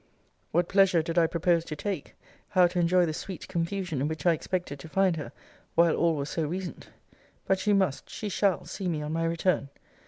What pleasure did I propose to take, how to enjoy the sweet confusion in which I expected to find her, while all was so recent! But she must, she shall, see me on my return.